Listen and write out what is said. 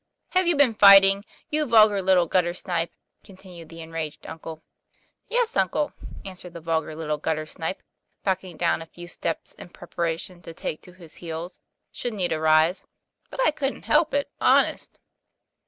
" Have you been fighting, you vulgar little gutter snipe ?' continued the enraged uncle. 'Yes, uncle," answered the " vulgar little gutter snipe," backing down a few steps in preparation to take to his heels should need arise, "but I couldn't help it, honest."